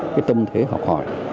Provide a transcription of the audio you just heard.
cái tâm thế học hỏi